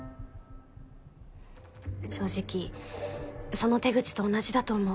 正直その手口と同じだと思う。